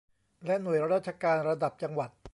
และหน่วยราชการระดับจังหวัด